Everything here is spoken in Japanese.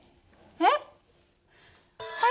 えっ？